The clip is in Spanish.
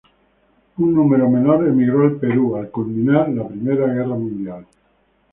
Un número menor emigró al Perú al culminar la Primera Guerra Mundial.